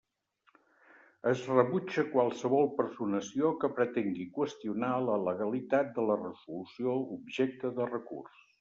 Es rebutja qualsevol personació que pretengui qüestionar la legalitat de la resolució objecte de recurs.